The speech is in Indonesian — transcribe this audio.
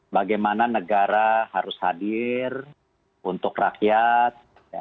bagaimana negara harus hadir untuk rakyat